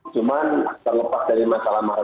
cuman terlepas dari masalah masalah